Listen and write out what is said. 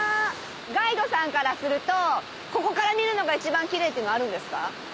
ガイドさんからするとここから見るのが一番キレイっていうのあるんですか？